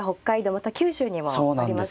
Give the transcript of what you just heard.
また九州にもありますよね。